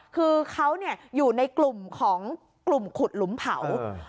คือเขาอยู่ในกลุ่มของกลุ่มขุดหลุมเผา